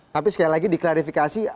tapi sekali lagi diklarifikasi